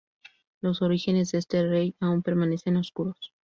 Los orígenes de este rey aún permanecen oscuros.